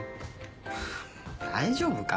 大丈夫か？